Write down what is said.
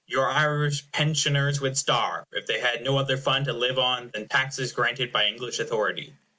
Your Irish pensioners would starve, if they had no other fund to live on than taxes granted by English authority.